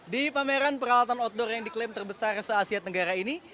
di pameran peralatan outdoor yang diklaim terbesar se asia tenggara ini